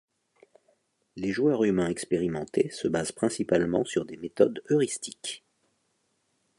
Les joueurs humains expérimentés se basent principalement sur des méthodes heuristiques.